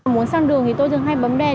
muốn sang đường thì tôi thường hay bấm đèn